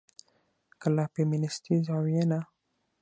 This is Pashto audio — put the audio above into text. که له فيمنستي زاويې نه